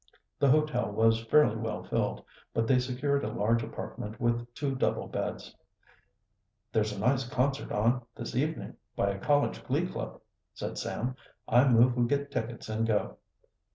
The hotel was fairly well filled, but they secured a large apartment with two double beds. "There's a nice concert on this evening by a college glee club," said Sam. "I move we get tickets and go."